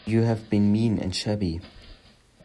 You have been mean and shabby.